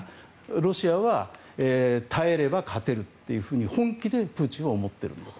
ロシアは耐えれば勝てるというふうに本気でプーチンは思っていると。